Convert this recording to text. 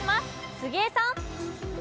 杉江さん。